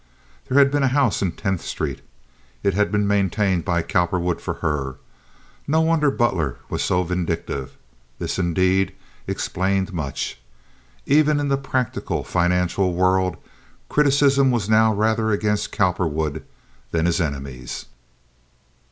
There had been a house in Tenth Street. It had been maintained by Cowperwood for her. No wonder Butler was so vindictive. This, indeed, explained much. And even in the practical, financial world, criticism was now rather against Cowperwood than his enemies.